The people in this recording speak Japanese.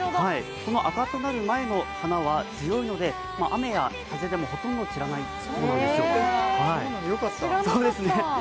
この赤くなる前の花は強いので雨や風でもほとんど散らないそうなんです。